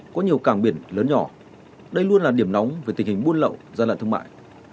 có nhiều càng biển lớn nhỏ đây luôn là điểm nóng về tình hình buôn lậu gian lận thương mại